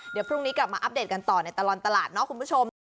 เดี๋ยวพรุ่งนี้กลับมาอัปเดตกันต่อในตลอดตลาดเนาะคุณผู้ชม